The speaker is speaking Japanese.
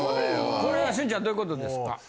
これは俊ちゃんどういうことですか？